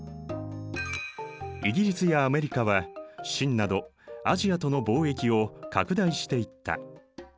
イギリスやアメリカは清などアジアとの貿易を拡大していった。